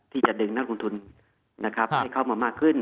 ที่จะดึงนักลงทุนให้เข้ามามากขึ้น